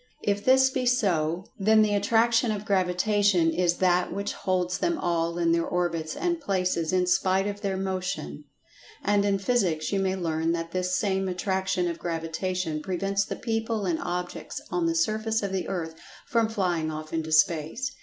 If this be so, then the Attraction of Gravitation is that which holds them all in their orbits and places in spite of their motion. And in Physics, you may learn that this same Attraction of Gravitation prevents the people and objects on the surface of the earth from[Pg 139] flying off into space.